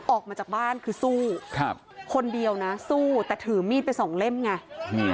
ออกมาจากบ้านคือสู้ครับคนเดียวนะสู้แต่ถือมีดไปสองเล่มไงอืม